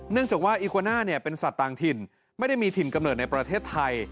จากว่าอีโกน่าเป็นสัตว์ต่างถิ่นไม่ได้มีถิ่นกำเนิดในประเทศไทย